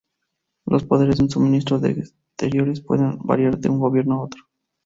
Los poderes de un ministro de Exteriores pueden variar de un gobierno a otro.